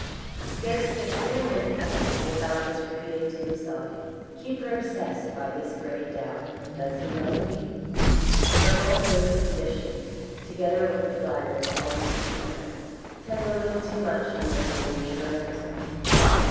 Scarcely a single minute passed without his repeating to himself. " Keep her obsessed by this great doubt. Does he love me ?" Her own brilliant position, together with the flattery of all who speak to her, tend a little too much to make her reassure herself.